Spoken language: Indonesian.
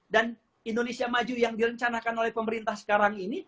dan indonesia maju yang direncanakan oleh pemerintah sekarang ini